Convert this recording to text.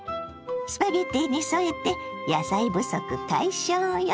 スパゲッティに添えて野菜不足解消よ。